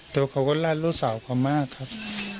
ตัวเขาก็รักลูกสาวเขามากครับ